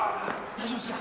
大丈夫ですか？